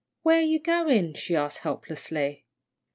"Where are you goin'?" she asked, helplessly.